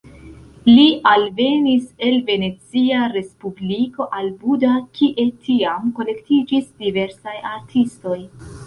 Li alvenis el Venecia respubliko al Buda, kie tiam kolektiĝis diversaj artistoj.